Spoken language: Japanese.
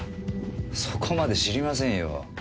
そこまで知りませんよ。